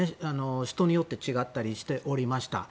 人によって違ったりしていました。